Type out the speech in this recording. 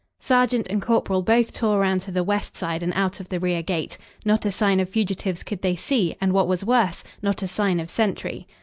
Sergeant and corporal both tore around to the west side and out of the rear gate. Not a sign of fugitives could they see, and, what was worse, not a sign of sentry.